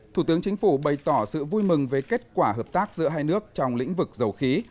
thủ tướng chính phủ bày tỏ sự vui mừng về kết quả hợp tác giữa hai nước trong lĩnh vực dầu khí